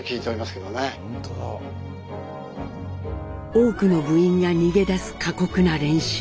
多くの部員が逃げ出す過酷な練習。